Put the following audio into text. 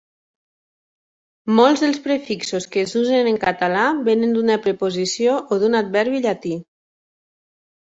Molts dels prefixos que s'usen en català vénen d'una preposició o d'un adverbi llatí.